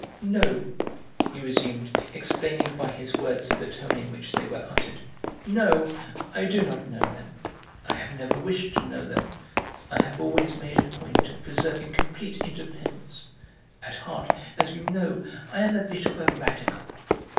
"No," he resumed, explaining by his words the tone in which they were uttered. "No, I do not know them; I have never wished to know them; I have always made a point of preserving complete independence; at heart, as you know, I am a bit of a Radical.